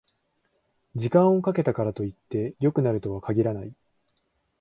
時間をかけたからといって良くなるとは限らない